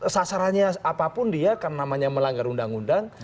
sasarannya apapun dia karena namanya melanggar undang undang